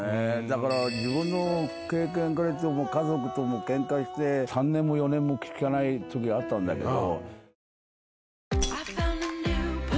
だから自分の経験からいっても家族ともケンカして３年も４年も口きかない時があったんだけど。